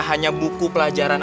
hanya buku pelajaran